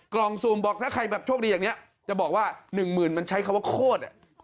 กรองซูมแบบให้ใครโชคดีอย่างนี้จะบอกว่า๑๐๐๐๐มันใช้เขาว่าโคตรอะ